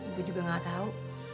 ibu juga nggak tahu